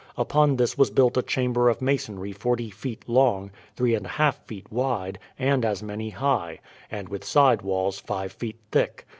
Upon this was built a chamber of masonry forty feet long, three and a half feet wide, and as many high, and with side walls five feet thick.